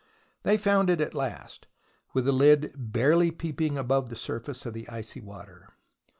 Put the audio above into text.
They found it at last, with the lid barely peeping above the surface of the icy water.